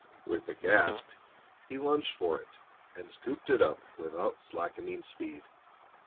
With a gasp he lunged for it and scooped it up without slackening speed.